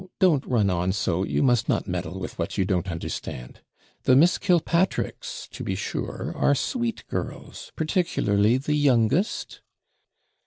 don't run on so; you must not meddle with what you don't understand: the Miss Killpatricks, to be sure, are sweet girls, particularly the youngest.'